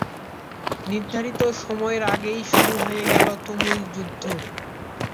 নির্ধারিত সময়ের আগেই শুরু হয়ে গেল তুমুল যুদ্ধ।